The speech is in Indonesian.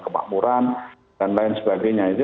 kemakmuran dan lain sebagainya